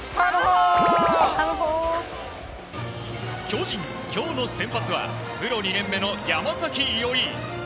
巨人、今日の先発はプロ２年目の山崎伊織。